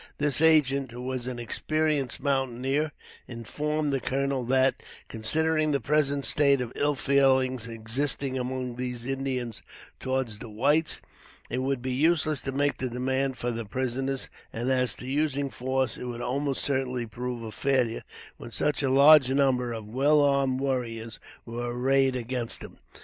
This agent, who was an experienced mountaineer, informed the colonel that, considering the present state of ill feeling existing among these Indians towards the whites, it would be useless to make the demand for the prisoners; and as to using force, it would almost certainly prove a failure, when such a large number of well armed warriors were arrayed against him.